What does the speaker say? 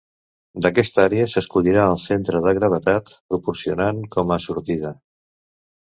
D'aquesta àrea s'escollirà el centre de gravetat, proporcionant com a sortida.